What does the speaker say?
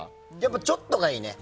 ちょっとがいいね。